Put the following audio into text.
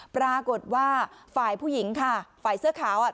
ปรากฏว่าฝ่ายผู้หญิงค่ะฝ่ายเสื้อขาวอ่ะ